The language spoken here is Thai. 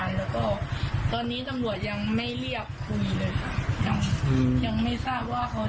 แล้วก็ตอนนี้ตำรวจยังไม่เรียกคุยเลยค่ะยังอืมยังไม่ทราบว่าเขา